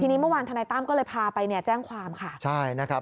ทีนี้เมื่อวานธนายตั้มก็เลยพาไปเนี่ยแจ้งความค่ะใช่นะครับ